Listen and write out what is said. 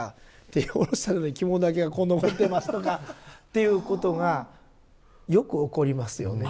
手下ろした時着物だけがこう残ってますとかっていうことがよく起こりますよね。